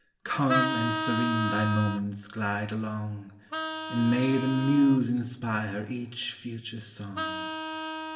Calm and serene thy moments glide along, And may the muse inspire each future song!